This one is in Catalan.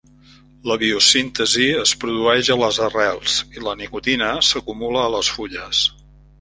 La biosíntesi es produeix a les arrels i la nicotina s'acumula a les fulles.